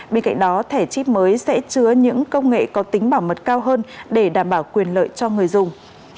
bên cạnh đó thẻ chip mới sẽ chứa những công nghệ có tính bảo mật cao hơn để đảm bảo quyền lợi cho người dùng